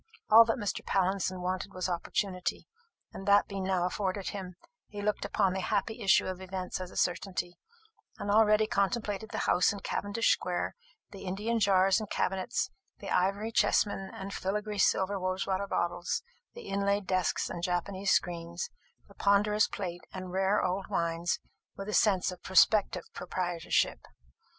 All that Mr. Pallinson wanted was opportunity; and that being now afforded him, he looked upon the happy issue of events as a certainty, and already contemplated the house in Cavendish square, the Indian jars and cabinets, the ivory chessmen and filigree silver rosewater bottles, the inlaid desks and Japanese screens, the ponderous plate and rare old wines, with a sense of prospective proprietorship.